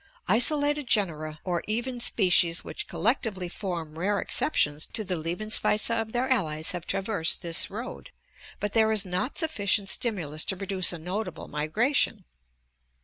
Isolated genera or even species which collectively form rare exceptions to the Lebensweise of their allies have traversed this road, but there is not sufficient stimulus to produce a notable migration.